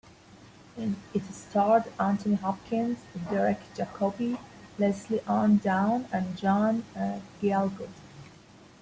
It starred Anthony Hopkins, Derek Jacobi, Lesley-Anne Down and John Gielgud.